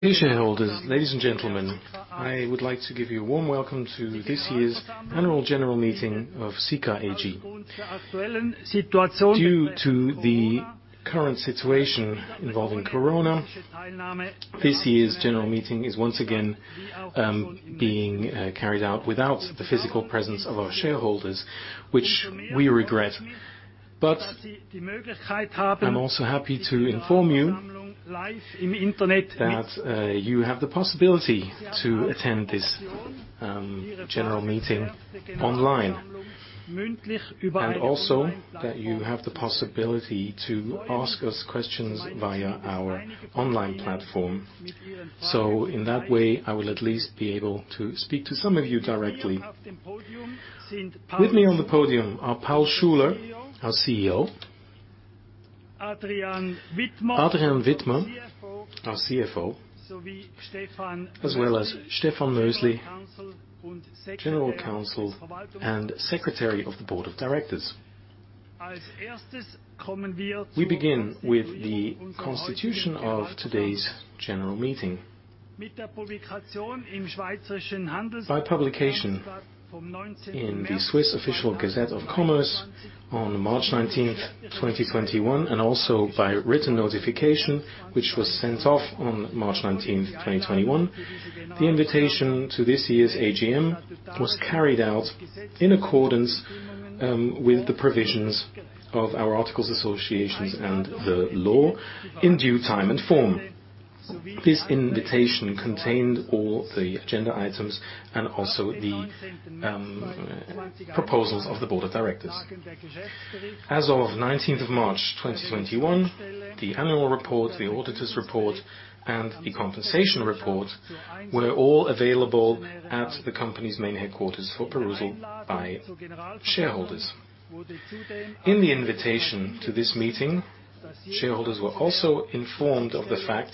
Dear shareholders, ladies and gentlemen, I would like to give you a warm welcome to this year's Annual General Meeting of Sika AG. Due to the current situation involving corona, this year's general meeting is once again being carried out without the physical presence of our shareholders, which we regret. I'm also happy to inform you that you have the possibility to attend this general meeting online. Also, that you have the possibility to ask us questions via our online platform. In that way, I will at least be able to speak to some of you directly. With me on the podium are Paul Schuler, our CEO, Adrian Widmer, our CFO, as well as Stefan Mösli, General Counsel and Secretary of the Board of Directors. We begin with the constitution of today's general meeting. By publication in the Swiss Official Gazette of Commerce on March 19th, 2021, and also by written notification, which was sent off on March 19th, 2021, the invitation to this year's AGM was carried out in accordance with the provisions of our articles of associations and the law in due time and form. This invitation contained all the agenda items and also the proposals of the Board of Directors. As of 19th of March 2021, the annual report, the auditor's report, and the compensation report were all available at the company's main headquarters for perusal by shareholders. In the invitation to this meeting, shareholders were also informed of the fact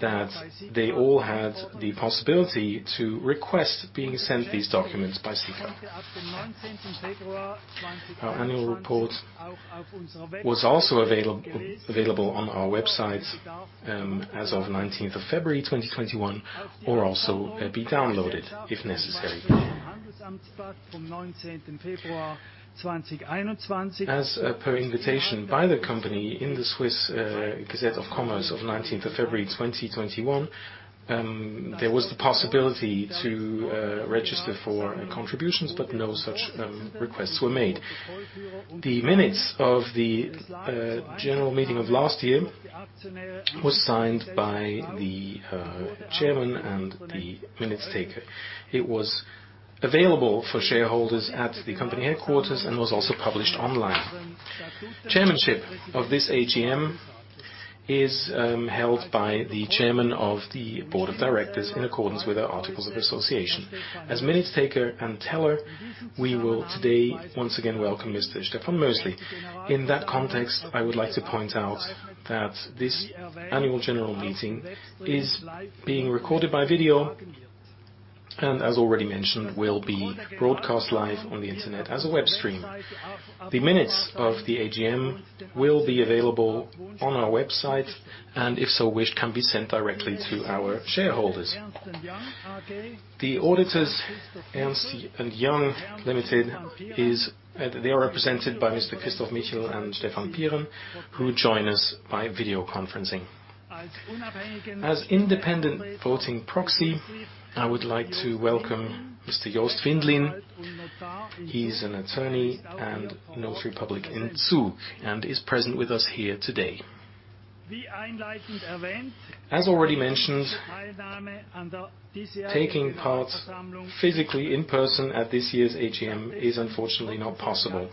that they all had the possibility to request being sent these documents by Sika. Our annual report was also available on our website as of 19th of February 2021, or also be downloaded if necessary. As per invitation by the company in the Swiss Official Gazette of Commerce of 19th of February 2021, there was the possibility to register for contributions, but no such requests were made. The minutes of the general meeting of last year was signed by the Chairman and the minutes taker. It was available for shareholders at the company headquarters and was also published online. Chairmanship of this AGM is held by the Chairman of the Board of Directors in accordance with our articles of association. As minutes taker and teller, we will today once again welcome Mr. Stefan Mösli. In that context, I would like to point out that this Annual General Meeting is being recorded by video, and as already mentioned, will be broadcast live on the internet as a web stream. The minutes of the AGM will be available on our website, and if so wished, can be sent directly to our shareholders. The auditors, Ernst & Young AG, are represented by Mr. Christoph Michel and Stefan Pieren, who join us by video conferencing. As independent voting proxy, I would like to welcome Mr. Jost Windlin. He's an attorney and notary public in Zug, and is present with us here today. As already mentioned, taking part physically in person at this year's AGM is unfortunately not possible.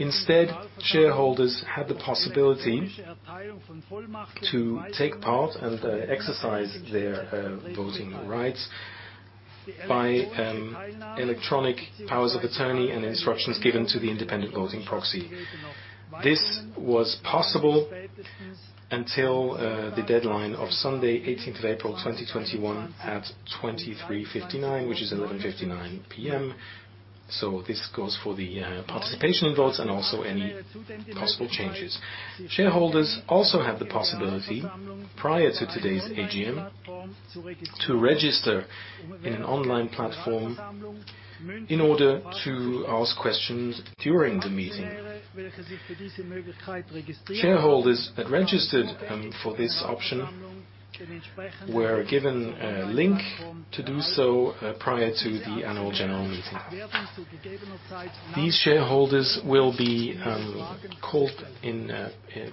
Instead, shareholders had the possibility to take part and exercise their voting rights by electronic powers of attorney and instructions given to the independent voting proxy. This was possible until the deadline of Sunday, 18th of April 2021 at 23:59, which is 11:59 P.M. This goes for the participation in votes and also any possible changes. Shareholders also had the possibility prior to today's AGM to register in an online platform in order to ask questions during the meeting. Shareholders that registered for this option were given a link to do so prior to the Annual General Meeting. These shareholders will be called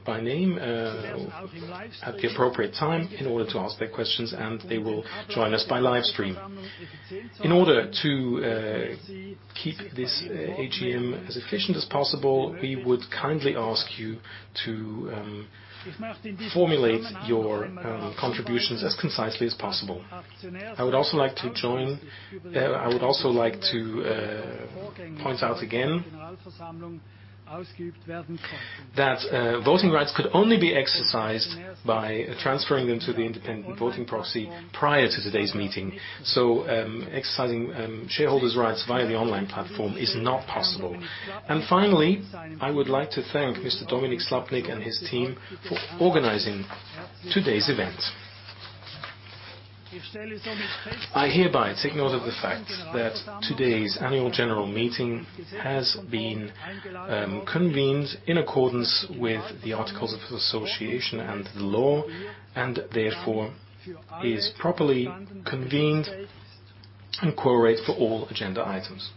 by name at the appropriate time in order to ask their questions, and they will join us by live stream. In order to keep this AGM as efficient as possible, we would kindly ask you to formulate your contributions as concisely as possible. I would also like to point out again that voting rights could only be exercised by transferring them to the independent voting proxy prior to today's meeting. Exercising shareholders rights via the online platform is not possible. Finally, I would like to thank Mr. Dominik Slappnig and his team for organizing today's event. I hereby take note of the fact that today's Annual General Meeting has been convened in accordance with the articles of association and the law and therefore is properly convened and correlates for all agenda items.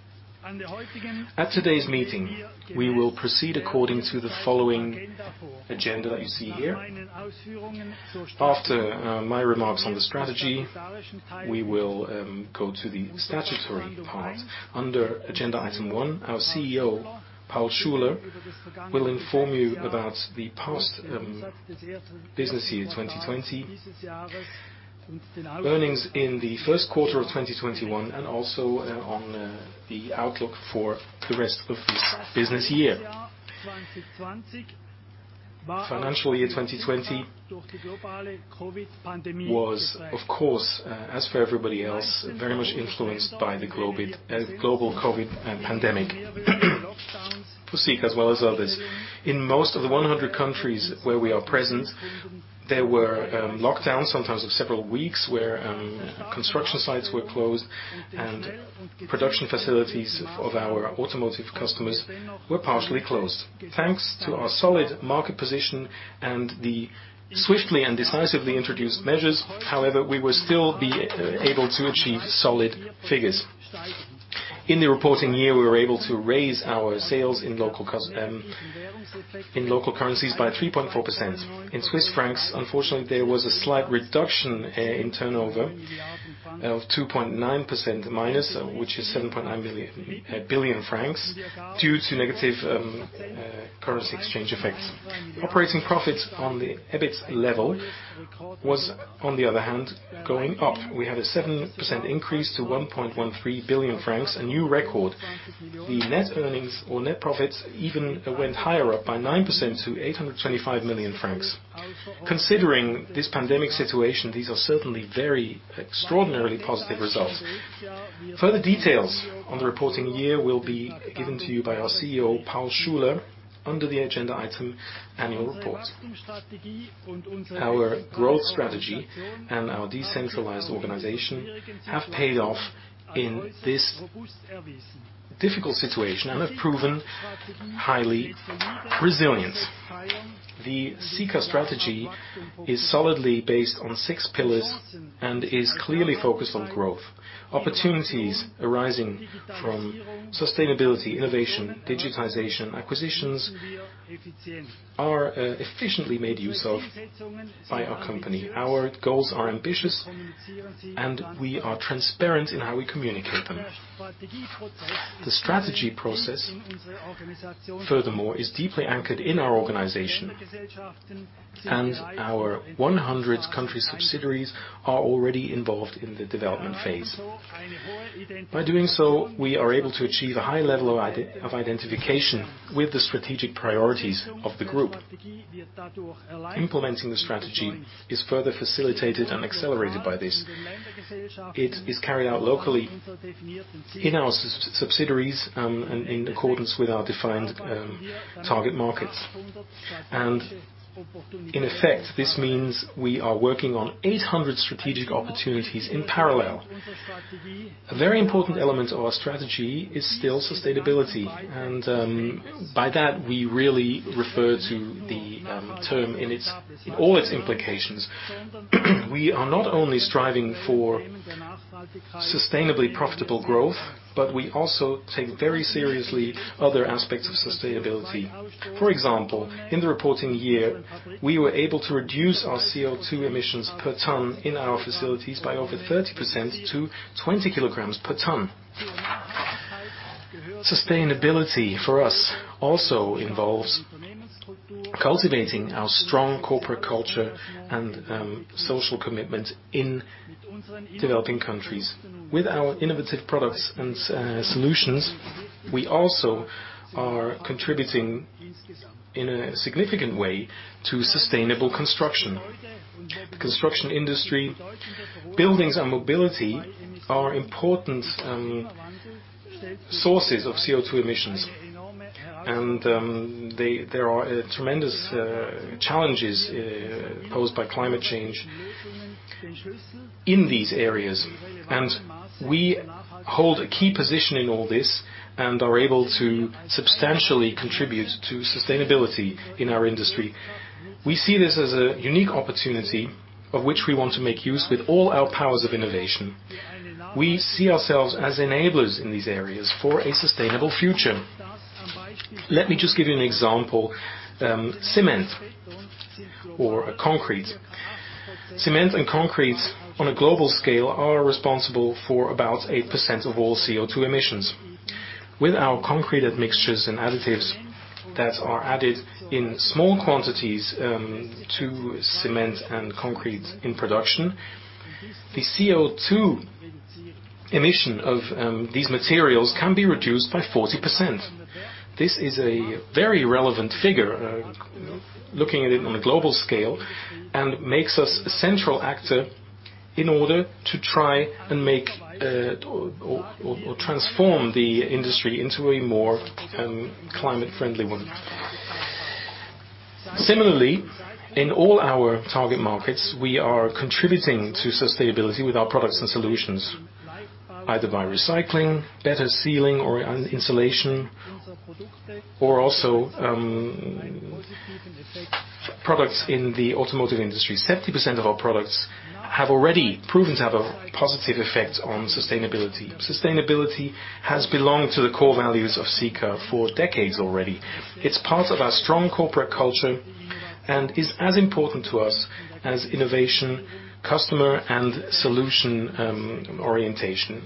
At today's meeting, we will proceed according to the following agenda that you see here. After my remarks on the strategy, we will go to the statutory part. Under agenda Item 1, our CEO, Paul Schuler, will inform you about the past business year 2020, earnings in the first quarter of 2021, and also on the outlook for the rest of this business year. Financial year 2020 was, of course, as for everybody else, very much influenced by the global COVID-19 pandemic for Sika as well as others. In most of the 100 countries where we are present, there were lockdowns, sometimes of several weeks, where construction sites were closed and production facilities of our automotive customers were partially closed. Thanks to our solid market position and the swiftly and decisively introduced measures, however, we were still able to achieve solid figures. In the reporting year, we were able to raise our sales in local currencies by 3.4%. In Swiss francs, unfortunately, there was a slight reduction in turnover of -2.9%, which is 7.9 billion francs due to negative currency exchange effects. Operating profits on the EBIT level was, on the other hand, going up. We had a 7% increase to 1.13 billion francs, a new record. The net earnings or net profits even went higher up by 9% to 825 million francs. Considering this pandemic situation, these are certainly very extraordinarily positive results. Further details on the reporting year will be given to you by our CEO, Paul Schuler, under the agenda item annual report. Our growth strategy and our decentralized organization have paid off in this difficult situation and have proven highly resilient. The Sika strategy is solidly based on six pillars and is clearly focused on growth. Opportunities arising from sustainability, innovation, digitization, acquisitions are efficiently made use of by our company. Our goals are ambitious, and we are transparent in how we communicate them. The strategy process, furthermore, is deeply anchored in our organization. Our 100 country subsidiaries are already involved in the development phase. By doing so, we are able to achieve a high level of identification with the strategic priorities of the group. Implementing the strategy is further facilitated and accelerated by this. It is carried out locally in our subsidiaries, and in accordance with our defined target markets. In effect, this means we are working on 800 strategic opportunities in parallel. A very important element of our strategy is still sustainability, and by that we really refer to the term in all its implications. We are not only striving for sustainably profitable growth, but we also take very seriously other aspects of sustainability. For example, in the reporting year, we were able to reduce our CO2 emissions per ton in our facilities by over 30% to 20 kg/ton. Sustainability for us also involves cultivating our strong corporate culture and social commitment in developing countries. With our innovative products and solutions, we also are contributing in a significant way to sustainable construction. The construction industry, buildings, and mobility are important sources of CO2 emissions. There are tremendous challenges posed by climate change in these areas. We hold a key position in all this and are able to substantially contribute to sustainability in our industry. We see this as a unique opportunity of which we want to make use with all our powers of innovation. We see ourselves as enablers in these areas for a sustainable future. Let me just give you an example. Cement or concrete. Cement and concrete on a global scale are responsible for about 8% of all CO2 emissions. With our concrete admixtures and additives that are added in small quantities to cement and concrete in production, the CO2 emission of these materials can be reduced by 40%. This is a very relevant figure, looking at it on a global scale, and makes us a central actor in order to try and make or transform the industry into a more climate-friendly one. Similarly, in all our target markets, we are contributing to sustainability with our products and solutions, either by recycling, better sealing or insulation, or also products in the automotive industry. 70% of our products have already proven to have a positive effect on sustainability. Sustainability has belonged to the core values of Sika for decades already. It's part of our strong corporate culture and is as important to us as innovation, customer and solution orientation,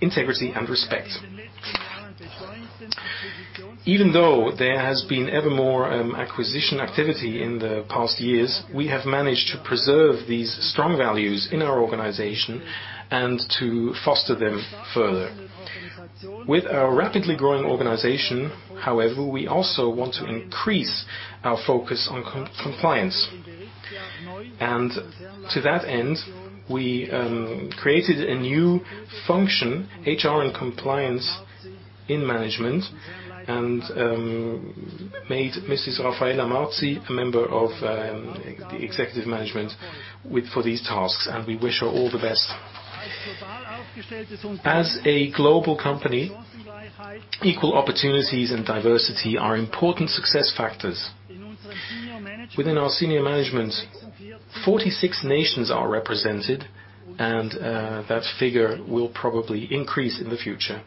integrity and respect. Even though there has been ever more acquisition activity in the past years, we have managed to preserve these strong values in our organization and to foster them further. With our rapidly growing organization, however, we also want to increase our focus on compliance. To that end, we created a new function, HR and Compliance in management, and made Mrs. Raffaella Marzi a member of the Executive Management for these tasks, and we wish her all the best. As a global company, equal opportunities and diversity are important success factors. Within our senior management, 46 nations are represented, and that figure will probably increase in the future.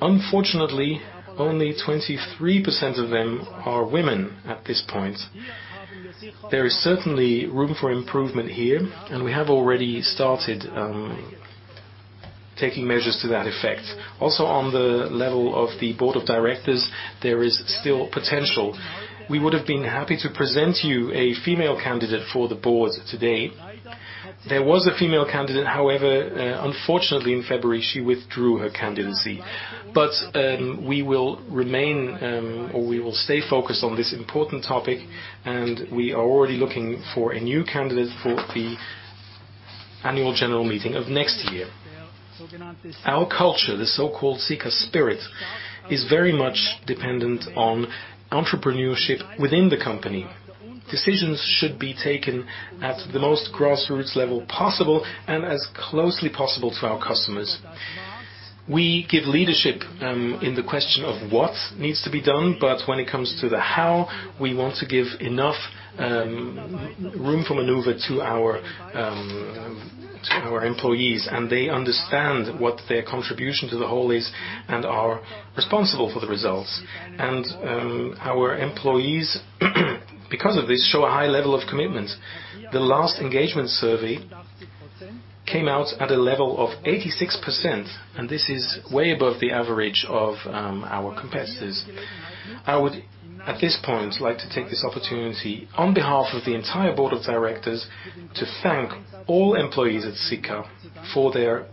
Unfortunately, only 23% of them are women at this point. There is certainly room for improvement here, and we have already started taking measures to that effect. Also on the level of the Board of Directors, there is still potential. We would have been happy to present to you a female candidate for the Board today. There was a female candidate. However, unfortunately, in February, she withdrew her candidacy. We will remain, or we will stay focused on this important topic, and we are already looking for a new candidate for the Annual General Meeting of next year. Our culture, the so-called Sika Spirit, is very much dependent on entrepreneurship within the company. Decisions should be taken at the most grassroots level possible and as closely as possible to our customers. We give leadership in the question of what needs to be done, but when it comes to the how, we want to give enough room for maneuver to our employees, and they understand what their contribution to the whole is and are responsible for the results. Our employees because of this, show a high level of commitment. The last engagement survey came out at a level of 86%, and this is way above the average of our competitors. I would at this point like to take this opportunity, on behalf of the entire Board of Directors, to thank all employees at Sika for their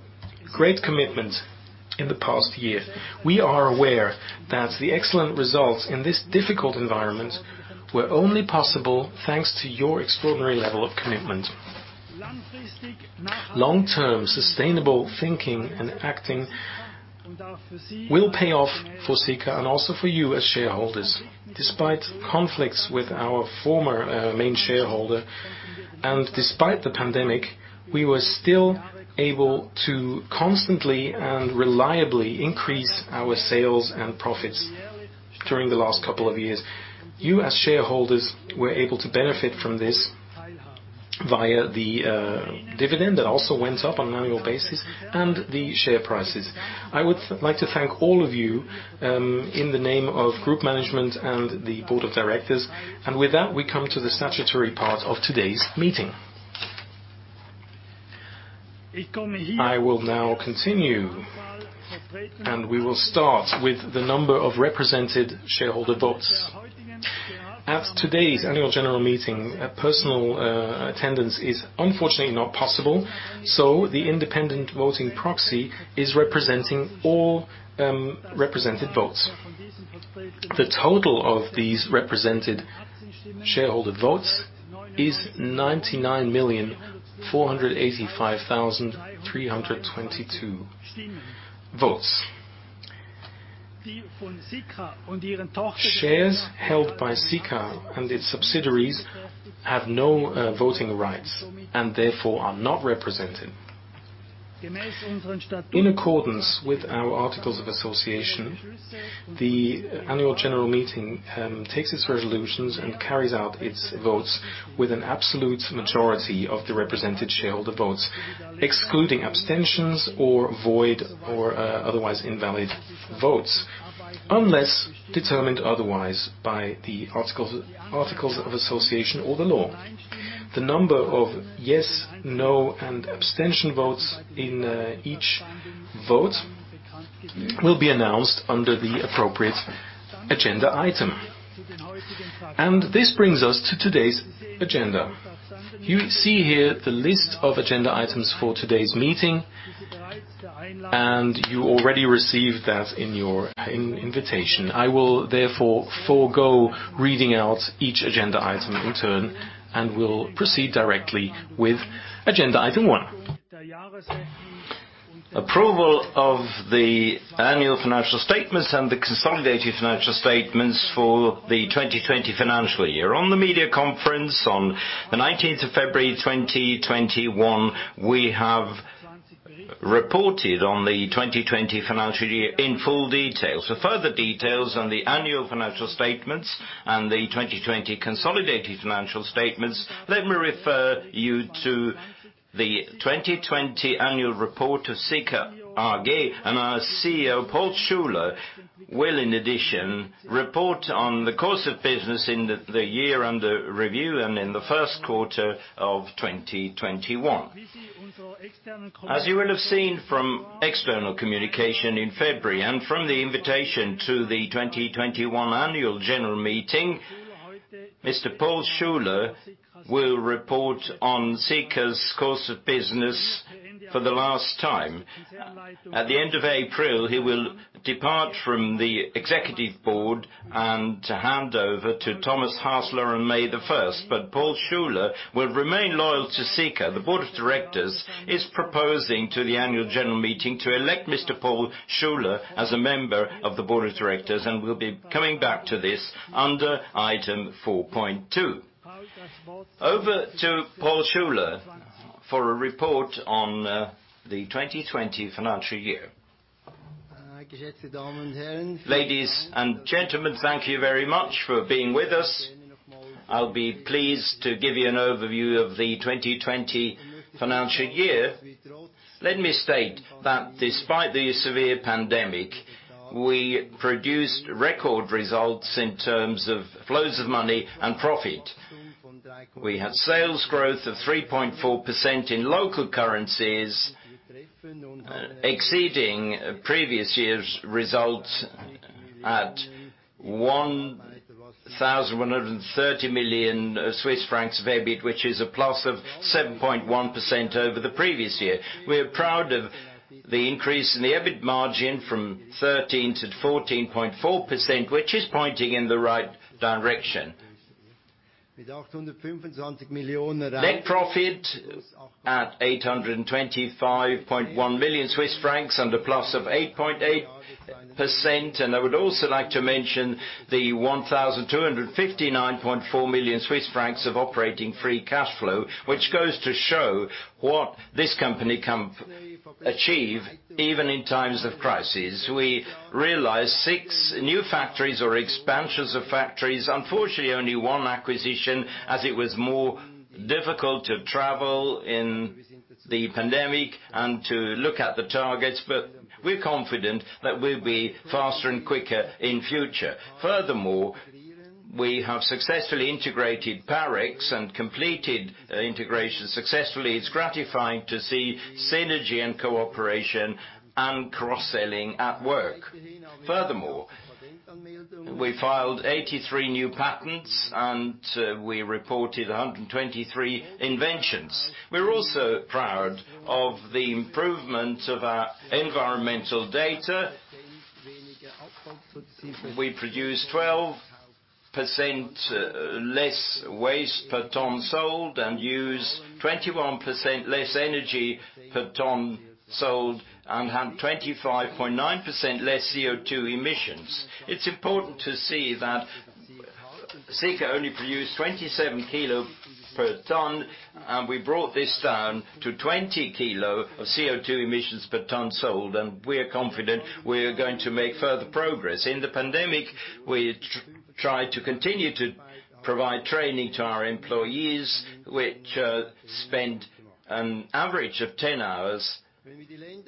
great commitment in the past year. We are aware that the excellent results in this difficult environment were only possible thanks to your extraordinary level of commitment. Long-term sustainable thinking and acting will pay off for Sika and also for you as shareholders. Despite conflicts with our former main shareholder, and despite the pandemic, we were still able to constantly and reliably increase our sales and profits during the last couple of years. You, as shareholders, were able to benefit from this via the dividend that also went up on an annual basis and the share prices. I would like to thank all of you in the name of Group Management and the Board of Directors. With that, we come to the statutory part of today's meeting. I will now continue, and we will start with the number of represented shareholder votes. At today's Annual General Meeting, personal attendance is unfortunately not possible, so the independent voting proxy is representing all represented votes. The total of these represented shareholder votes is 99,485,322 votes. Shares held by Sika and its subsidiaries have no voting rights and therefore are not represented. In accordance with our articles of association, the Annual General Meeting takes its resolutions and carries out its votes with an absolute majority of the represented shareholder votes, excluding abstentions or void or otherwise invalid votes, unless determined otherwise by the articles of association or the law. The number of yes, no, and abstention votes in each vote will be announced under the appropriate agenda item. This brings us to today's agenda. You see here the list of agenda items for today's meeting. You already received that in your invitation. I will therefore forego reading out each agenda item in turn and will proceed directly with agenda Item 1. Approval of the annual financial statements and the consolidated financial statements for the 2020 financial year. On the media conference on the 19th of February 2021, we have reported on the 2020 financial year in full detail. Further details on the annual financial statements and the 2020 consolidated financial statements, let me refer you to the 2020 annual report of Sika AG, and our CEO, Paul Schuler, will, in addition, report on the course of business in the year under review and in the first quarter of 2021. As you will have seen from external communication in February, and from the invitation to the 2021 Annual General Meeting, Mr. Paul Schuler will report on Sika's course of business for the last time. At the end of April, he will depart from the executive board and hand over to Thomas Hasler on May 1st. Paul Schuler will remain loyal to Sika. The Board of Directors is proposing to the Annual General Meeting to elect Mr. Paul Schuler as a member of the Board of Directors. We'll be coming back to this under Item 4.2. Over to Paul Schuler for a report on the 2020 financial year. Ladies and gentlemen, thank you very much for being with us. I'll be pleased to give you an overview of the 2020 financial year. Let me state that despite the severe pandemic, we produced record results in terms of flows of money and profit. We had sales growth of 3.4% in local currencies, exceeding previous year's result at 1,130 million Swiss francs of EBIT, which is a plus of 7.1% over the previous year. We're proud of the increase in the EBIT margin from 13%-14.4%, which is pointing in the right direction. Net profit at 825.1 million Swiss francs and a plus of 8.8%. I would also like to mention the 1,259.4 million Swiss francs of operating free cash flow, which goes to show what this company can achieve even in times of crisis. We realized six new factories or expansions of factories. Unfortunately, only one acquisition, as it was more difficult to travel in the pandemic and to look at the targets. We're confident that we'll be faster and quicker in future. We have successfully integrated Parex and completed integration successfully. It's gratifying to see synergy and cooperation and cross-selling at work. We filed 83 new patents and we reported 123 inventions. We're also proud of the improvement of our environmental data. We produced 12% less waste per ton sold and used 21% less energy per ton sold and had 25.9% less CO2 emissions. It's important to see that Sika only produced 27 kg/ton, and we brought this down to 20 kilo of CO2 emissions per ton sold, and we're confident we're going to make further progress. In the pandemic, we tried to continue to provide training to our employees, which spent an average of 10 hours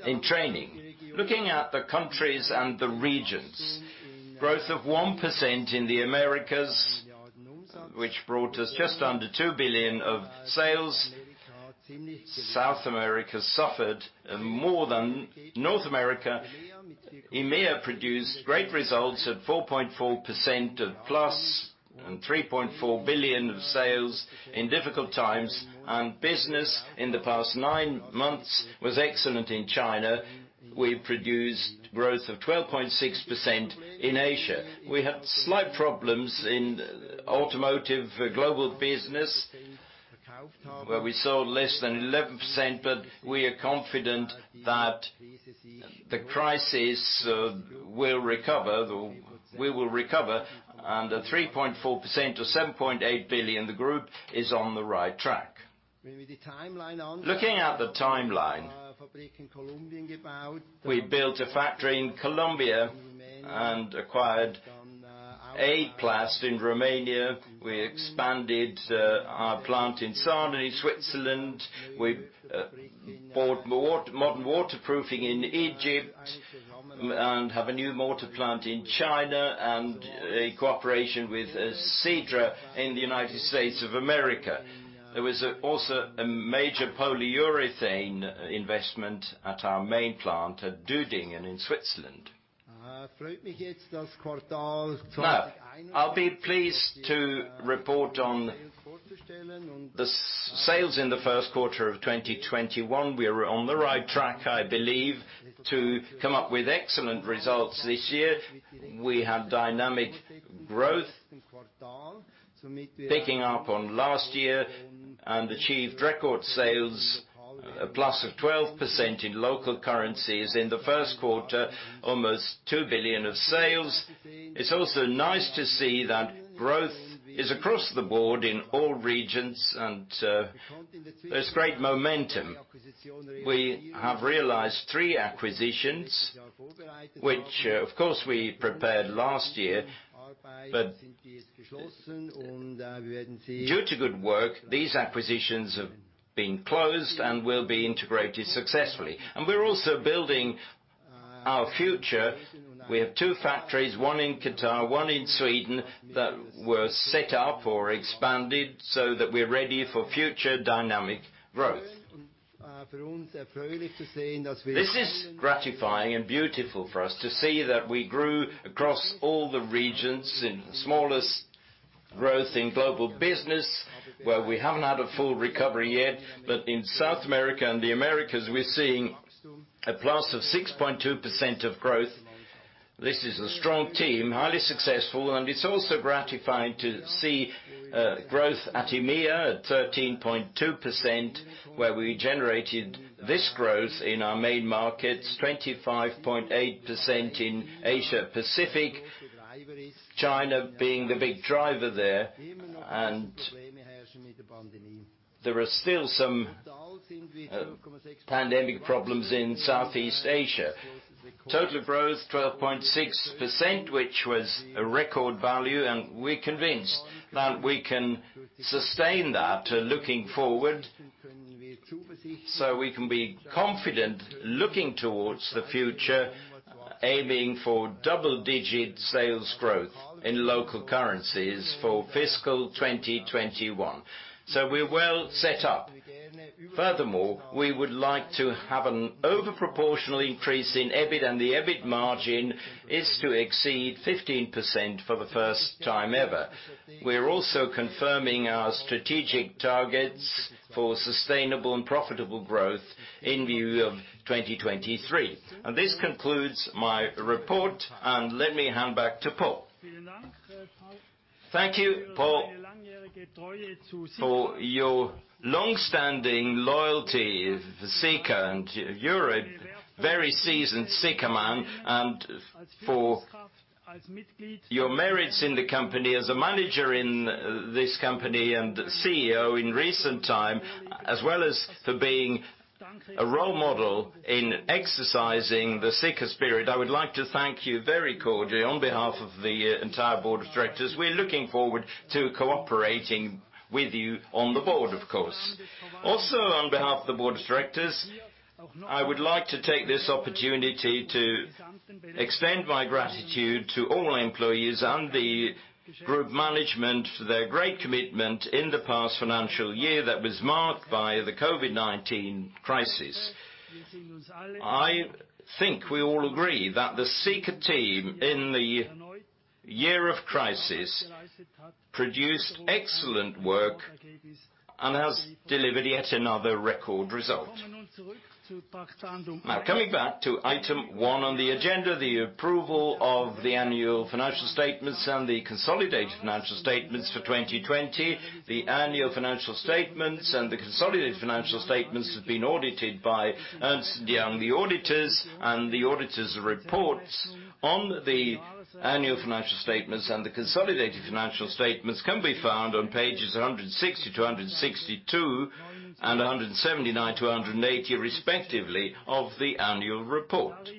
in training. Looking at the countries and the regions, growth of 1% in the Americas, which brought us just under 2 billion of sales. South America suffered more than North America. EMEA produced great results at 4.4% of plus and 3.4 billion of sales in difficult times. Business in the past nine months was excellent in China. We produced growth of 12.6% in Asia. We had slight problems in automotive global business, where we sold less than 11%, but we are confident that the crisis will recover. The 3.4% or 7.8 billion the Group is on the right track. Looking at the timeline, we built a factory in Colombia and acquired Adeplast in Romania. We expanded our plant in Sarnen, Switzerland. We bought Modern Waterproofing in Egypt and have a new mortar plant in China, and a cooperation with CiDRA in the United States of America. There was also a major polyurethane investment at our main plant at Düdingen in Switzerland. Now, I'll be pleased to report on the sales in the first quarter of 2021. We are on the right track, I believe, to come up with excellent results this year. We have dynamic growth. Picking up on last year and achieved record sales, a plus of 12% in local currencies. In the first quarter, almost 2 billion of sales. It's also nice to see that growth is across the board in all regions, there's great momentum. We have realized three acquisitions, which of course we prepared last year. Due to good work, these acquisitions have been closed and will be integrated successfully. We're also building our future. We have two factories, one in Qatar, one in Sweden, that were set up or expanded so that we're ready for future dynamic growth. This is gratifying and beautiful for us to see that we grew across all the regions. In the smallest growth in global business, where we haven't had a full recovery yet. In South America and the Americas, we're seeing a plus of 6.2% of growth. This is a strong team, highly successful. It's also gratifying to see growth at EMEA at 13.2%, where we generated this growth in our main markets, 25.8% in Asia Pacific, China being the big driver there. There are still some pandemic problems in Southeast Asia. Total growth 12.6%, which was a record value, and we're convinced that we can sustain that looking forward. We can be confident looking towards the future, aiming for double-digit sales growth in local currencies for fiscal 2021. We're well set up. Furthermore, we would like to have an over proportional increase in EBIT, and the EBIT margin is to exceed 15% for the first time ever. We are also confirming our strategic targets for sustainable and profitable growth in view of 2023. This concludes my report. Let me hand back to Paul. Thank you, Paul, for your longstanding loyalty for Sika. You're a very seasoned Sika man. For your merits in the company as a manager in this company and CEO in recent time, as well as for being a role model in exercising the Sika Spirit, I would like to thank you very cordially on behalf of the entire Board of Directors. We're looking forward to cooperating with you on the board, of course. Also, on behalf of the Board of Directors, I would like to take this opportunity to extend my gratitude to all employees and the Group Management for their great commitment in the past financial year that was marked by the COVID-19 crisis. I think we all agree that the Sika team in the year of crisis produced excellent work and has delivered yet another record result. Coming back to Item 1 on the agenda, the approval of the annual financial statements and the consolidated financial statements for 2020. The annual financial statements and the consolidated financial statements have been audited by Ernst & Young, the auditors, and the auditors' reports on the annual financial statements and the consolidated financial statements can be found on pages 160-162 and 179-180 respectively of the annual report.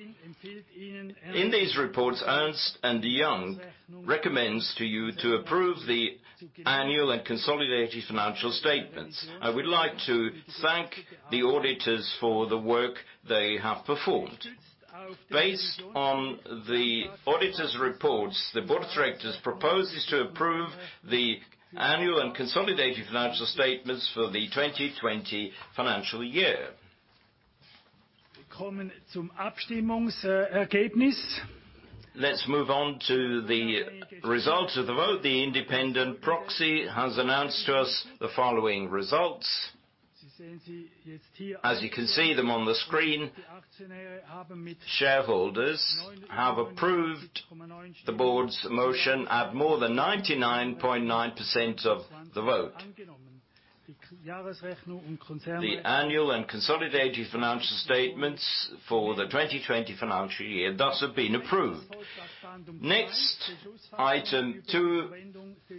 In these reports, Ernst & Young recommends to you to approve the annual and consolidated financial statements. I would like to thank the auditors for the work they have performed. Based on the auditors' reports, the Board of Directors proposes to approve the annual and consolidated financial statements for the 2020 financial year. Let's move on to the results of the vote. The independent proxy has announced to us the following results. As you can see them on the screen, shareholders have approved the Board's motion at more than 99.9% of the vote. The annual and consolidated financial statements for the 2020 financial year thus have been approved. Item 2,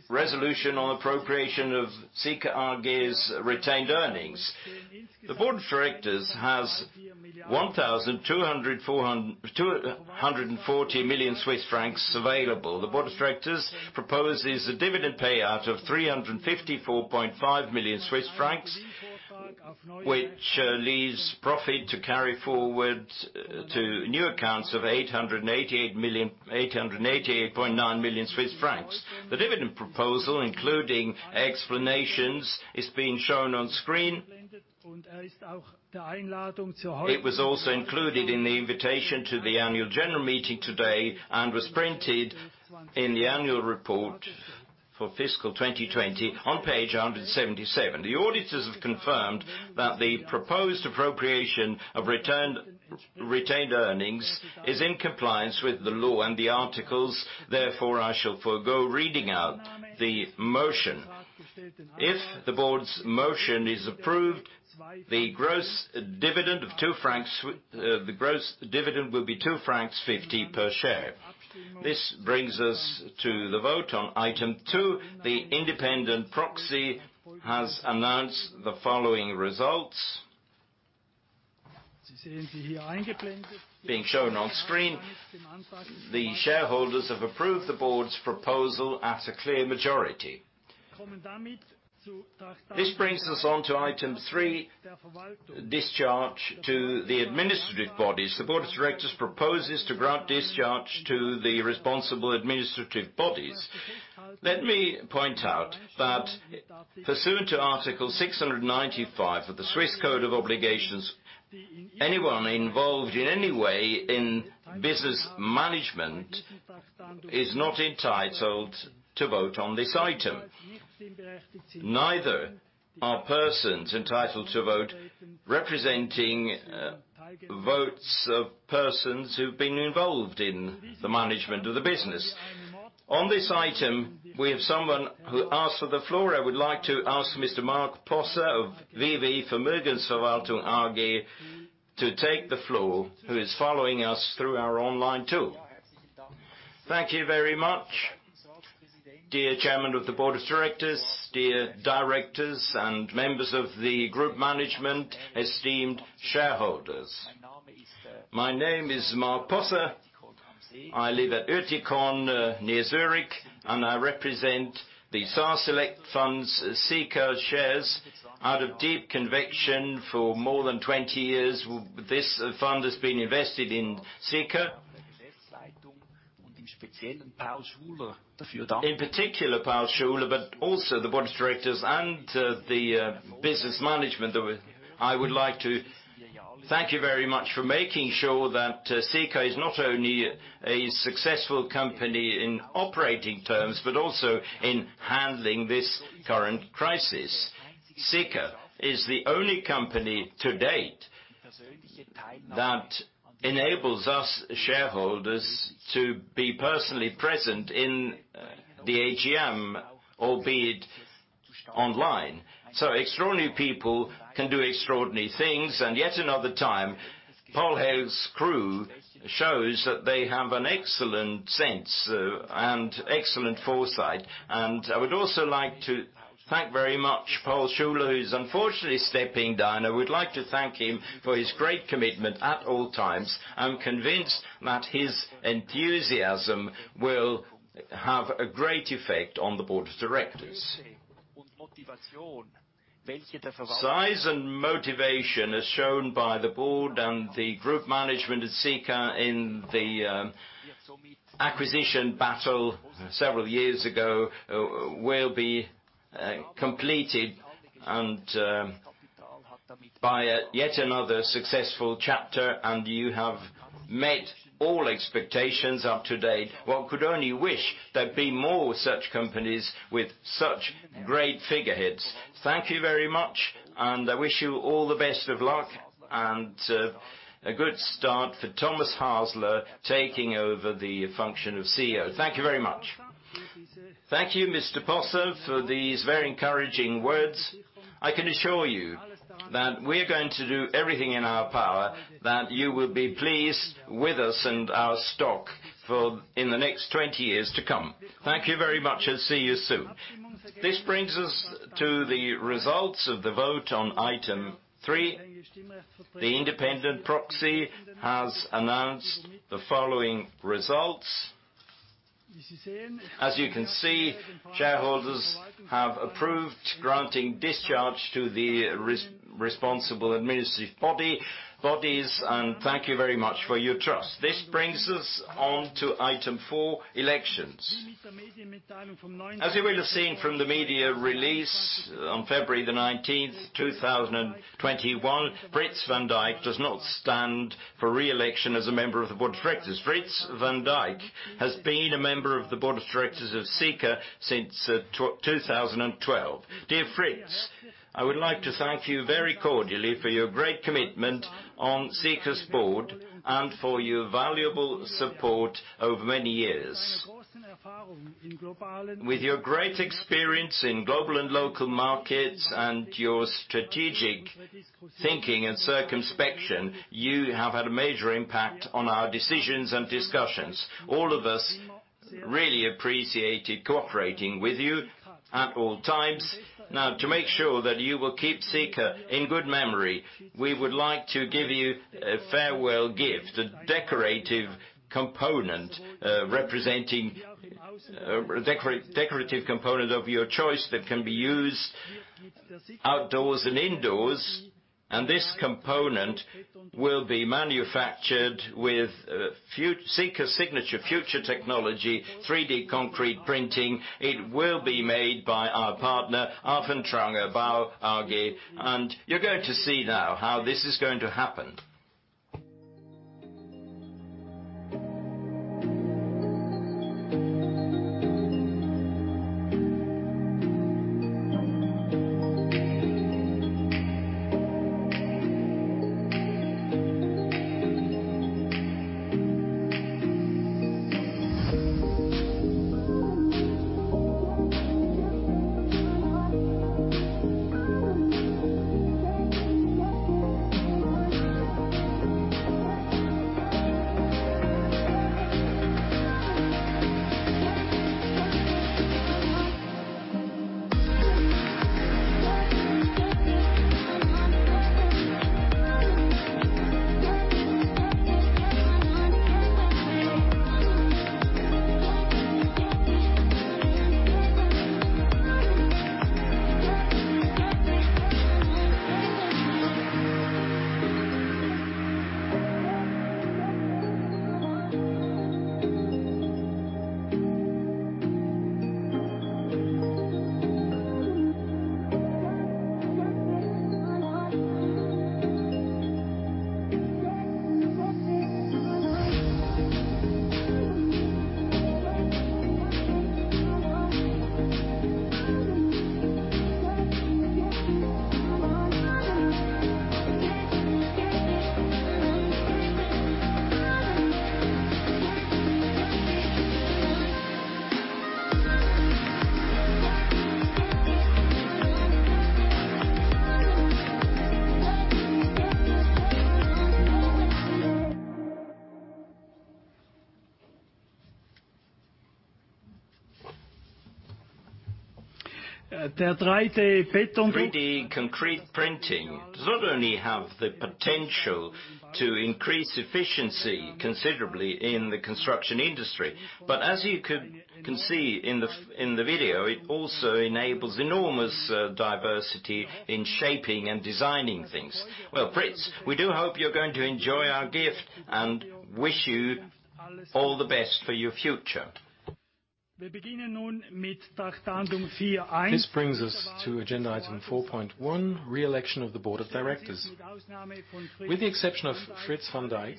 resolution on appropriation of Sika AG's retained earnings. The Board of Directors has 1,240 million Swiss francs available. The Board of Directors proposes a dividend payout of 354.5 million Swiss francs, which leaves profit to carry forward to new accounts of 888.9 million Swiss francs. The dividend proposal, including explanations, is being shown on screen. It was also included in the invitation to the Annual General Meeting today and was printed in the annual report for fiscal 2020 on page 177. The auditors have confirmed that the proposed appropriation of retained earnings is in compliance with the law and the articles. I shall forego reading out the motion. If the Board's motion is approved, the gross dividend will be 2.50 francs per share. This brings us to the vote on Item 2. The independent proxy has announced the following results. Being shown on screen, the shareholders have approved the Board's proposal at a clear majority. This brings us on to Item 3, discharge to the administrative bodies. The Board of Directors proposes to grant discharge to the responsible administrative bodies. Let me point out that pursuant to Article 695 of the Swiss Code of Obligations, anyone involved in any way in business management is not entitled to vote on this item. Neither are persons entitled to vote representing votes of persons who've been involved in the management of the business. On this item, we have someone who asked for the floor. I would like to ask Mr. Marc Possa of VV Vermögensverwaltung AG to take the floor, who is following us through our online tool. Thank you very much. Dear Chairman of the Board of Directors, dear directors and members of the Group Management, esteemed shareholders. My name is Marc Possa. I live at Uetikon, near Zürich, and I represent the SaraSelect Fund's Sika shares out of deep conviction. For more than 20 years, this fund has been invested in Sika. In particular, Paul Schuler, but also the Board of Directors and the Business Management of it, I would like to thank you very much for making sure that Sika is not only a successful company in operating terms, but also in handling this current crisis. Sika is the only company to date that enables us shareholders to be personally present in the AGM, albeit online. Extraordinary people can do extraordinary things, and yet another time, Paul's crew shows that they have an excellent sense and excellent foresight. I would also like to thank very much Paul Schuler, who is unfortunately stepping down. I would like to thank him for his great commitment at all times. I'm convinced that his enthusiasm will have a great effect on the Board of Directors. Size and motivation, as shown by the Board and the Group Management at Sika in the acquisition battle several years ago, will be completed by yet another successful chapter, and you have met all expectations up to date. One could only wish there'd be more such companies with such great figureheads. Thank you very much. I wish you all the best of luck, and a good start for Thomas Hasler taking over the function of CEO. Thank you very much. Thank you, Mr. Possa, for these very encouraging words. I can assure you that we're going to do everything in our power that you will be pleased with us and our stock in the next 20 years to come. Thank you very much, and see you soon. This brings us to the results of the vote on Item 3. The independent proxy has announced the following results. As you can see, shareholders have approved granting discharge to the responsible administrative bodies, and thank you very much for your trust. This brings us on to Item 4, elections. As you will have seen from the media release on February the 19th, 2021, Frits van Dijk does not stand for re-election as a member of the Board of Directors. Frits van Dijk has been a member of the Board of Directors of Sika since 2012. Dear Frits, I would like to thank you very cordially for your great commitment on Sika's board and for your valuable support over many years. With your great experience in global and local markets and your strategic thinking and circumspection, you have had a major impact on our decisions and discussions. All of us really appreciated cooperating with you at all times. To make sure that you will keep Sika in good memory, we would like to give you a farewell gift, a decorative component of your choice that can be used outdoors and indoors, and this component will be manufactured with Sika's signature future technology, 3D concrete printing. It will be made by our partner, Avantgarde Bau AG, you're going to see now how this is going to happen. 3D concrete printing does not only have the potential to increase efficiency considerably in the construction industry, but as you can see in the video, it also enables enormous diversity in shaping and designing things. Well, Frits, we do hope you're going to enjoy our gift, and wish you all the best for your future. This brings us to agenda Item 4.1, re-election of the Board of Directors. With the exception of Frits van Dijk,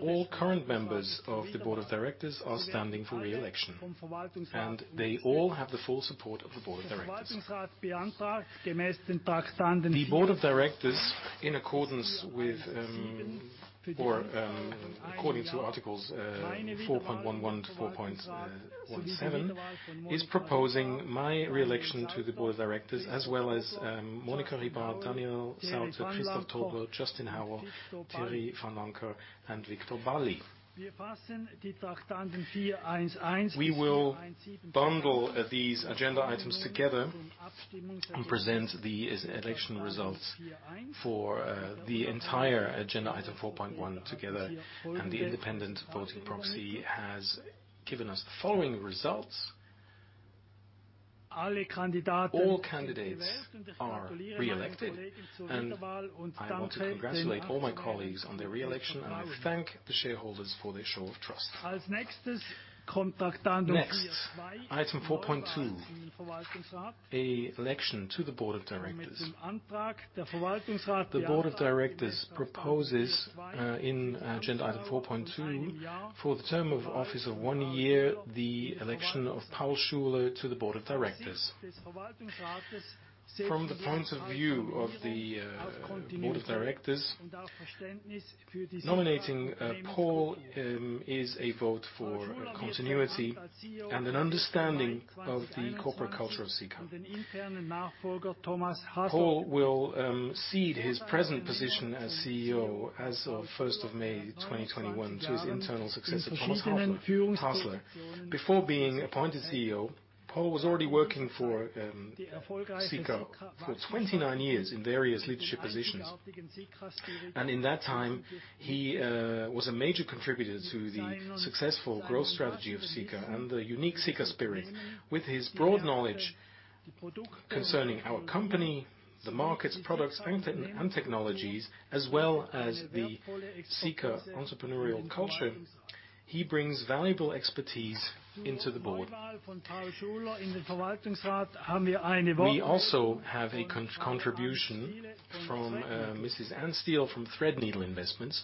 all current members of the Board of Directors are standing for re-election. They all have the full support of the Board of Directors. The Board of Directors, according to articles 4.11 to 4.17, is proposing my re-election to the Board of Directors, as well as Monika Ribar, Daniel Sauter, Christoph Tobler, Justin Howell, Thierry Vanlancker, and Viktor Balli. We will bundle these agenda items together and present the election results for the entire agenda Item 4.1 together. The independent voting proxy has given us the following results. All candidates are re-elected. I want to congratulate all my colleagues on their re-election. I thank the shareholders for their show of trust. Next, Item 4.2, election to the Board of Directors. The Board of Directors proposes in agenda Item 4.2 for the term of office of one year, the election of Paul Schuler to the Board of Directors. From the point of view of the Board of Directors, nominating Paul is a vote for continuity and an understanding of the corporate culture of Sika. Paul will cede his present position as CEO as of 1st of May 2021 to his internal successor, Thomas Hasler. Before being appointed CEO, Paul was already working for Sika for 29 years in various leadership positions. In that time, he was a major contributor to the successful growth strategy of Sika and the unique Sika Spirit. With his broad knowledge concerning our company, the markets, products, and technologies, as well as the Sika entrepreneurial culture, he brings valuable expertise into the board. We also have a contribution from Mrs. Ann Steele, from Threadneedle Investments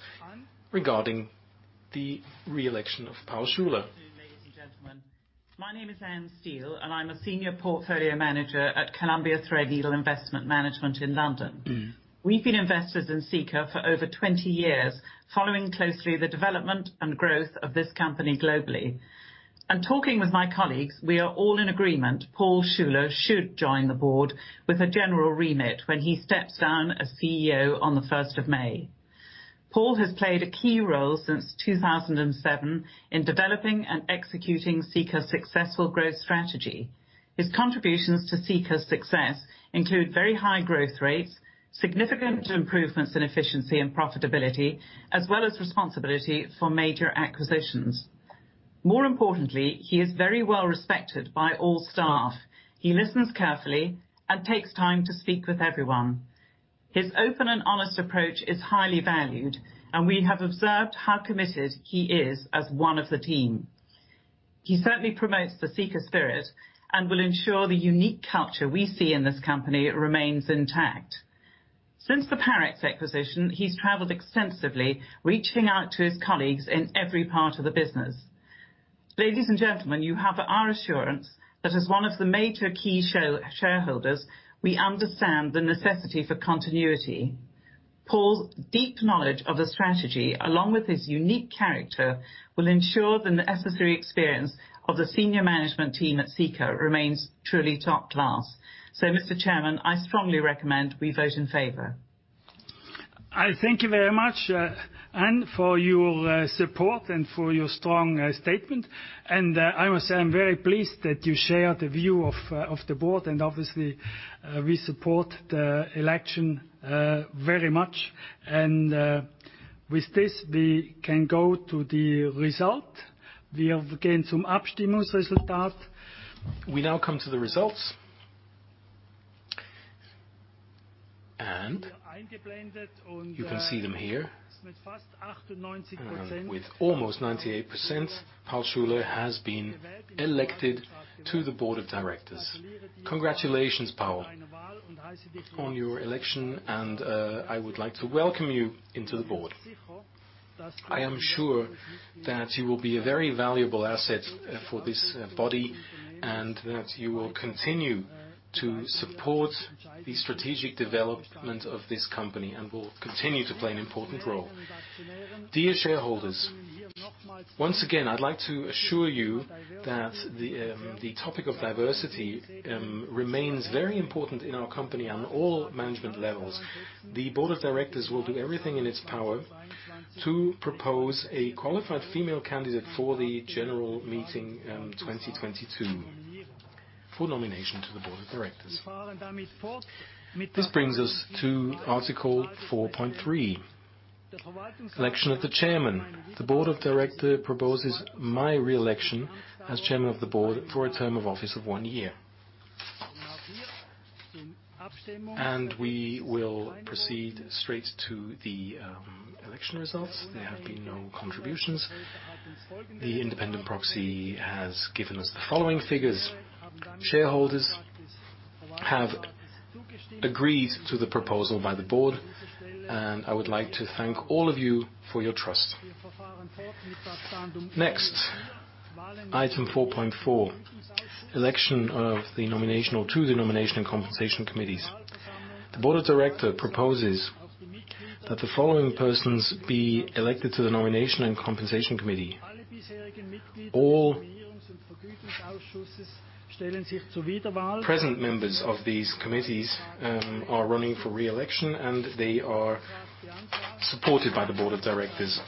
regarding the re-election of Paul Schuler. Ladies and gentlemen. My name is Ann Steele, I'm a Senior Portfolio Manager at Columbia Threadneedle Investments management in London. We've been investors in Sika for over 20 years, following closely the development and growth of this company globally. Talking with my colleagues, we are all in agreement, Paul Schuler should join the board with a general remit when he steps down as CEO on the 1st of May. Paul has played a key role since 2007 in developing and executing Sika's successful growth strategy. His contributions to Sika's success include very high growth rates, significant improvements in efficiency and profitability, as well as responsibility for major acquisitions. More importantly, he is very well respected by all staff. He listens carefully and takes time to speak with everyone. His open and honest approach is highly valued, and we have observed how committed he is as one of the team. He certainly promotes the Sika Spirit and will ensure the unique culture we see in this company remains intact. Since the Parex acquisition, he's traveled extensively, reaching out to his colleagues in every part of the business. Ladies and gentlemen, you have our assurance that as one of the major key shareholders, we understand the necessity for continuity. Paul's deep knowledge of the strategy, along with his unique character, will ensure the necessary experience of the senior management team at Sika remains truly top class. Mr. Chairman, I strongly recommend we vote in favor. I thank you very much, Ann, for your support and for your strong statement. I must say, I'm very pleased that you share the view of the board, and obviously, we support the election very much. With this, we can go to the result. We now come to the results. You can see them here. With almost 98%, Paul Schuler has been elected to the Board of Directors. Congratulations, Paul, on your election, and I would like to welcome you into the board. I am sure that you will be a very valuable asset for this body and that you will continue to support the strategic development of this company and will continue to play an important role. Dear shareholders, once again, I'd like to assure you that the topic of diversity remains very important in our company on all management levels. The Board of Directors will do everything in its power to propose a qualified female candidate for the general meeting in 2022 for nomination to the Board of Directors. This brings us to Article 4.3, election of the Chairman. The Board of Directors proposes my re-election as Chairman of the Board for a term of office of one year. We will proceed straight to the election results. There have been no contributions. The independent proxy has given us the following figures. Shareholders have agreed to the proposal by the board, and I would like to thank all of you for your trust. Next, Item 4.4, election to the Nomination and Compensation Committees. The Board of Directors proposes that the following persons be elected to the Nomination and Compensation Committee. All present members of these committees are running for re-election, and they are supported by the Board of Directors.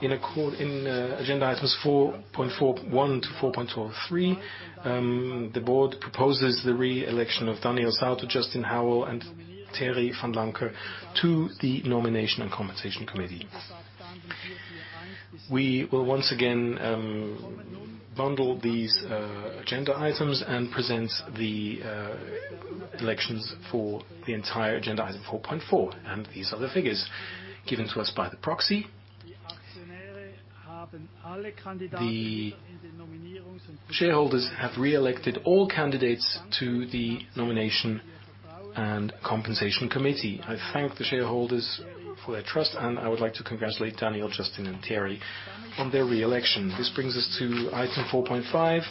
In agenda Items 4.4.1 to 4.4.3, the Board proposes the re-election of Daniel Sauter, Justin Howell, and Thierry Vanlancker to the Nomination and Compensation Committee. We will once again bundle these agenda items and present the elections for the entire agenda Item 4.4, and these are the figures given to us by the proxy. The shareholders have re-elected all candidates to the Nomination and Compensation Committee. I thank the shareholders for their trust, and I would like to congratulate Daniel, Justin, and Thierry on their re-election. This brings us to Item 4.5,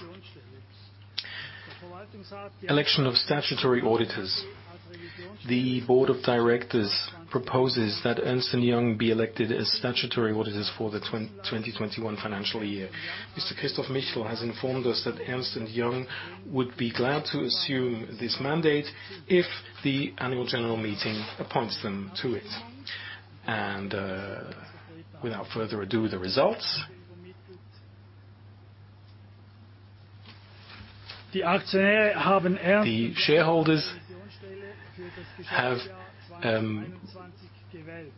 election of statutory auditors. The Board of Directors proposes that Ernst & Young be elected as statutory auditors for the 2021 financial year. Mr. Christoph Michel has informed us that Ernst & Young would be glad to assume this mandate if the Annual General Meeting appoints them to it. Without further ado, the results. The shareholders have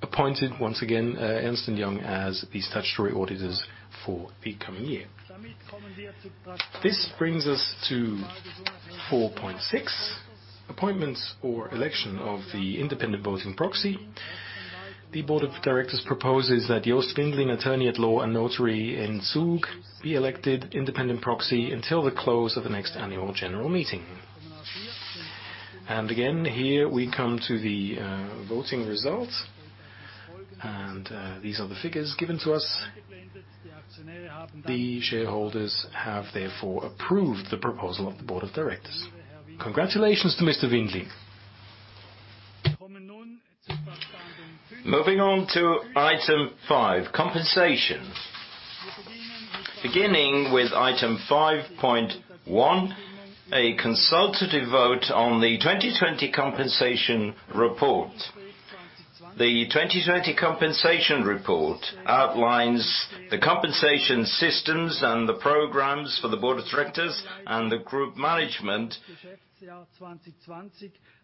appointed, once again, Ernst & Young as the statutory auditors for the coming year. This brings us to 4.6, appointments or election of the independent voting proxy. The Board of Directors proposes that Jost Windlin, attorney at law and notary in Zug, be elected independent proxy until the close of the next Annual General Meeting. Again, here we come to the voting results. These are the figures given to us. The shareholders have therefore approved the proposal of the Board of Directors. Congratulations to Mr. Windlin. Moving on to Item 5, compensation. Beginning with Item 5.1, a consultative vote on the 2020 compensation report. The 2020 compensation report outlines the compensation systems and the programs for the Board of Directors and the Group Management,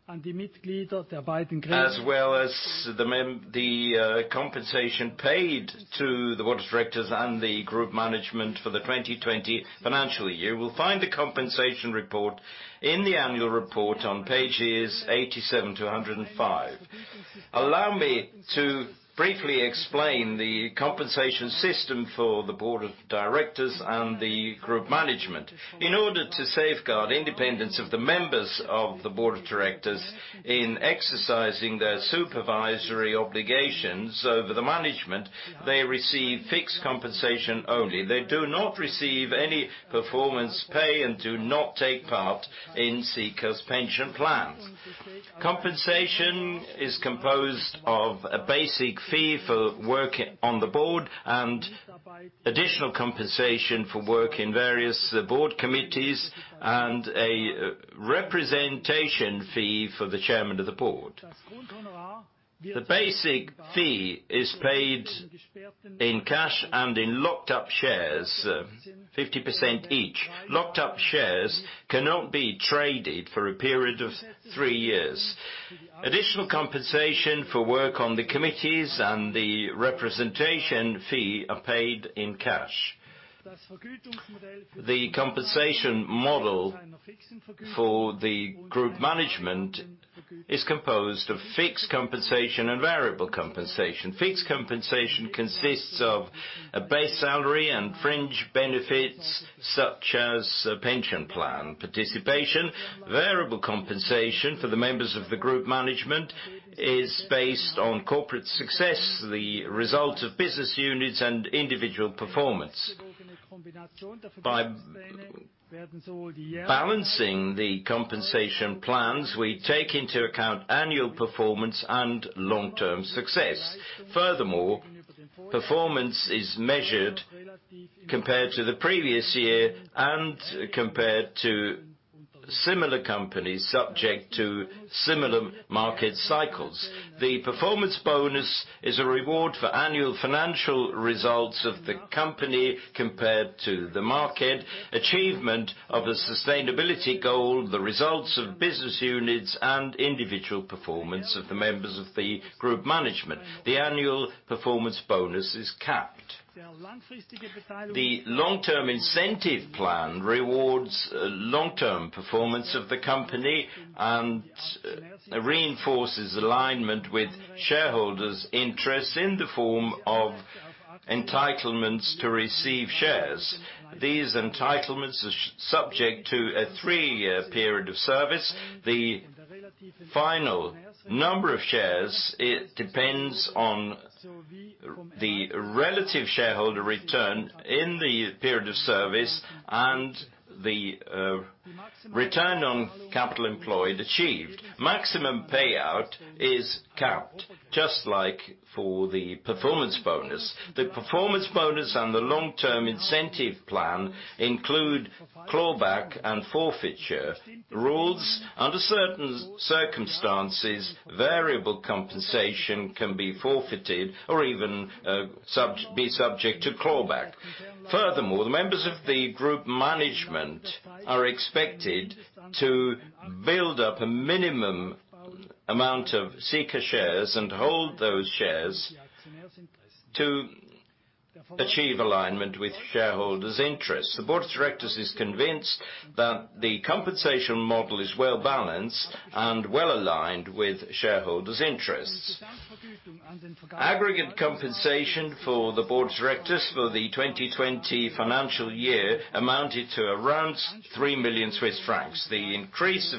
as well as the compensation paid to the Board of Directors and the Group Management for the 2020 financial year. You will find the compensation report in the annual report on pages 87 to 105. Allow me to briefly explain the compensation system for the Board of Directors and the Group Management. In order to safeguard independence of the members of the Board of Directors in exercising their supervisory obligations over the management, they receive fixed compensation only. They do not receive any performance pay and do not take part in Sika's pension plans. Compensation is composed of a basic fee for work on the board and additional compensation for work in various board committees and a representation fee for the Chairman of the Board. The basic fee is paid in cash and in locked-up shares, 50% each. Locked-up shares cannot be traded for a period of three years. Additional compensation for work on the committees and the representation fee are paid in cash. The compensation model for the Group Management is composed of fixed compensation and variable compensation. Fixed compensation consists of a base salary and fringe benefits such as pension plan participation. Variable compensation for the members of the Group Management is based on corporate success, the results of business units, and individual performance. By balancing the compensation plans, we take into account annual performance and long-term success. Furthermore, performance is measured compared to the previous year and compared to similar companies subject to similar market cycles. The performance bonus is a reward for annual financial results of the company compared to the market, achievement of a sustainability goal, the results of business units, and individual performance of the members of the Group Management. The annual performance bonus is capped. The long-term incentive plan rewards long-term performance of the company and reinforces alignment with shareholders' interests in the form of entitlements to receive shares. These entitlements are subject to a three-year period of service. The final number of shares depends on the relative shareholder return in the period of service and the return on capital employed achieved. Maximum payout is capped, just like for the performance bonus. The performance bonus and the long-term incentive plan include clawback and forfeiture rules. Under certain circumstances, variable compensation can be forfeited or even be subject to clawback. The members of the Group Management are expected to build up a minimum amount of Sika shares and hold those shares to achieve alignment with shareholders' interests. The Board of Directors is convinced that the compensation model is well-balanced and well-aligned with shareholders' interests. Aggregate compensation for the Board of Directors for the 2020 financial year amounted to around 3 million Swiss francs. The increase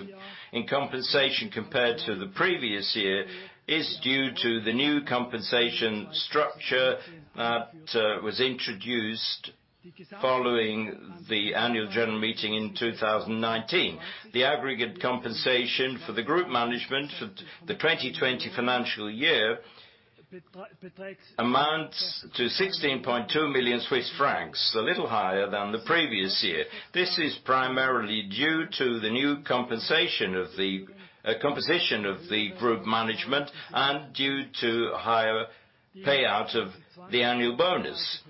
in compensation compared to the previous year is due to the new compensation structure that was introduced following the Annual General Meeting in 2019. The aggregate compensation for the Group Management for the 2020 financial year amounts to 16.2 million Swiss francs, a little higher than the previous year. This is primarily due to the new composition of the Group Management and due to higher payout of the annual bonus.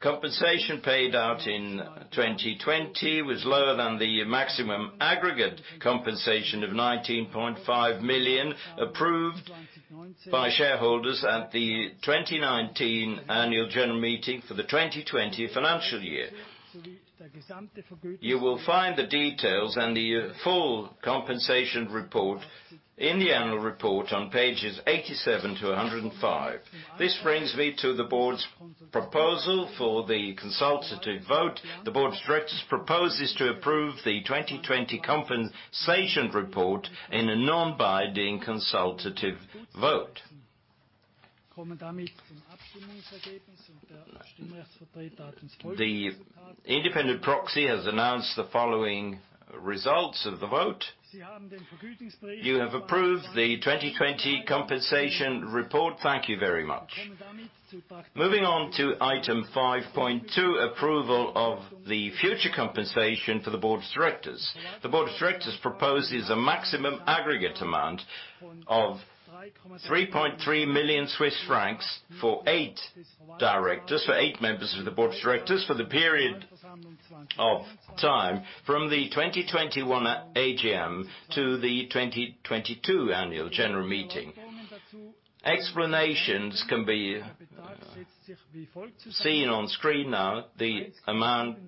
Compensation paid out in 2020 was lower than the maximum aggregate compensation of 19.5 million approved by shareholders at the 2019 Annual General Meeting for the 2020 financial year. You will find the details and the full compensation report in the annual report on pages 87 to 105. This brings me to the board's proposal for the consultative vote. The Board of Directors proposes to approve the 2020 compensation report in a non-binding consultative vote. The independent proxy has announced the following results of the vote. You have approved the 2020 compensation report. Thank you very much. Moving on to Item 5.2, approval of the future compensation for the Board of Directors. The Board of Directors proposes a maximum aggregate amount of 3.3 million Swiss francs for eight members of the Board of Directors for the period of time from the 2021 AGM to the 2022 Annual General Meeting. Explanations can be seen on screen now. The amount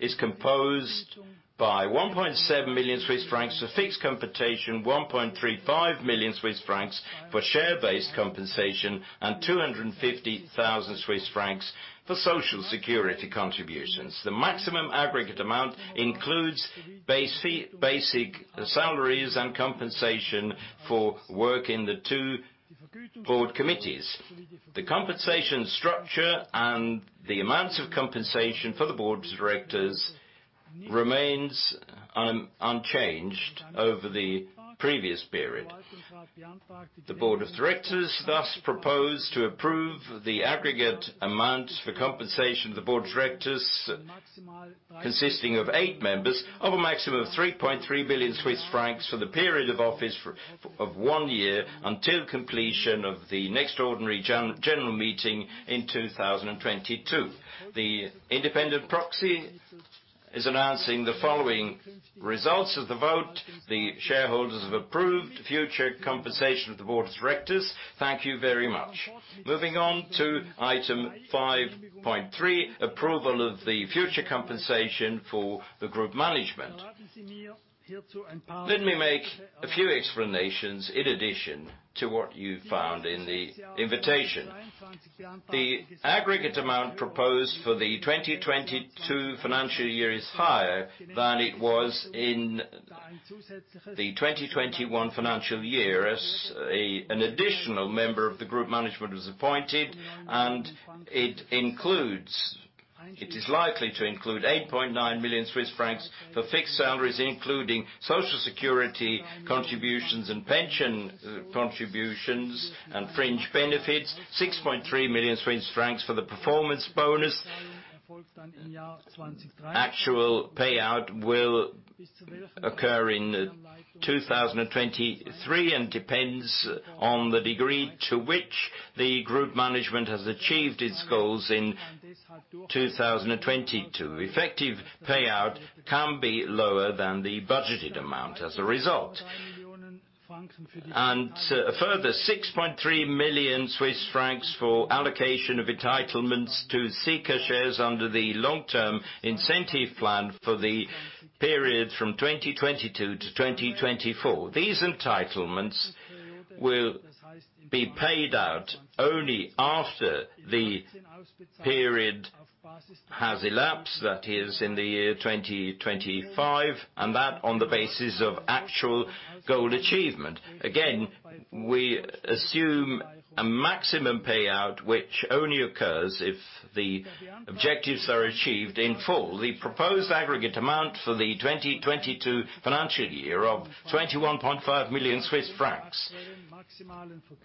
is composed by 1.7 million Swiss francs for fixed compensation, 1.35 million Swiss francs for share-based compensation, and 250,000 Swiss francs for Social Security contributions. The maximum aggregate amount includes basic salaries and compensation for work in the two board committees. The compensation structure and the amounts of compensation for the Board of Directors remains unchanged over the previous period. The Board of Directors thus proposed to approve the aggregate amount for compensation of the Board of Directors, consisting of eight members, of a maximum of 3.3 million Swiss francs for the period of office of one year until completion of the next ordinary general meeting in 2022. The independent proxy is announcing the following results of the vote. The shareholders have approved future compensation of the Board of Directors. Thank you very much. Moving on to Item 5.3, approval of the future compensation for the Group Management. Let me make a few explanations in addition to what you found in the invitation. The aggregate amount proposed for the 2022 financial year is higher than it was in the 2021 financial year, as an additional member of the Group Management was appointed, and it is likely to include 8.9 million Swiss francs for fixed salaries, including Social Security contributions and pension contributions and fringe benefits. 6.3 million Swiss francs for the performance bonus. Actual payout will occur in 2023 and depends on the degree to which the Group Management has achieved its goals in 2022. Effective payout can be lower than the budgeted amount as a result. A further 6.3 million Swiss francs for allocation of entitlements to Sika shares under the long-term incentive plan for the period from 2022 to 2024. These entitlements will be paid out only after the period has elapsed, that is in the year 2025, and that on the basis of actual goal achievement. We assume a maximum payout, which only occurs if the objectives are achieved in full. The proposed aggregate amount for the 2022 financial year of 21.5 million Swiss francs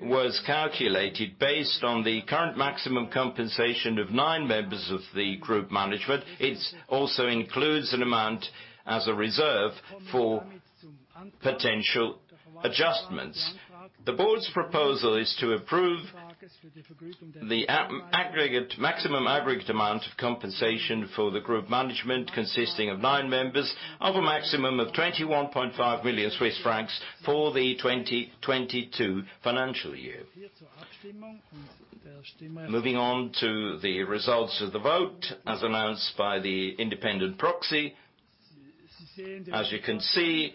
was calculated based on the current maximum compensation of nine members of the Group Management. It also includes an amount as a reserve for potential adjustments. The Board's proposal is to approve the maximum aggregate amount of compensation for the Group Management, consisting of nine members, of a maximum of 21.5 million Swiss francs for the 2022 financial year. Moving on to the results of the vote, as announced by the independent proxy. As you can see,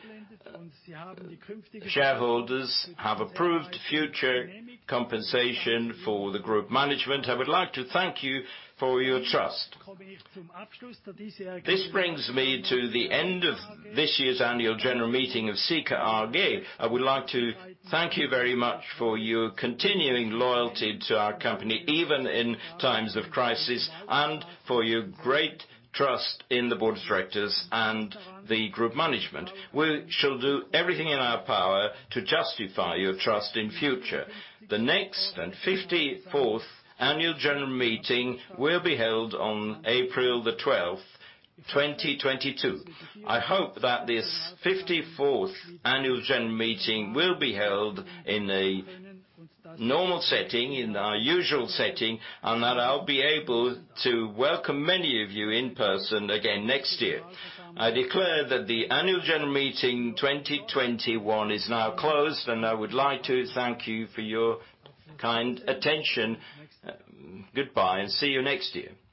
shareholders have approved future compensation for the Group Management. I would like to thank you for your trust. This brings me to the end of this year's Annual General Meeting of Sika AG. I would like to thank you very much for your continuing loyalty to our company, even in times of crisis, and for your great trust in the Board of Directors and the Group Management. We shall do everything in our power to justify your trust in future. The next and 54th Annual General Meeting will be held on April the 12th, 2022. I hope that this 54th Annual General Meeting will be held in a normal setting, in our usual setting, and that I'll be able to welcome many of you in person again next year. I declare that the Annual General Meeting 2021 is now closed, and I would like to thank you for your kind attention. Goodbye, and see you next year.